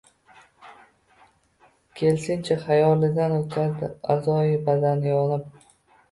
«Kelsin-chi!..» Xayolidan oʼtkazdi aʼzoi badani yonib.